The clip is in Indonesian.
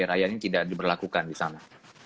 rayani tidak diberlakukan di sana